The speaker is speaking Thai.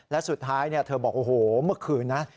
และสุดท้ายเธอบอกโอ้โหเมื่อคืนนะ